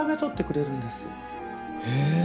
へえ。